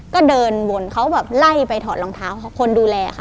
ก็เดินวนเขาแบบไล่ไปถอดรองเท้าคนดูแลค่ะ